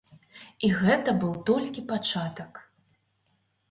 І гэта быў толькі пачатак.